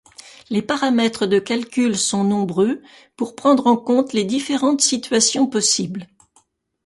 Les paramètres de calculs sont nombreux pour prendre en compte les différentes situations possibles.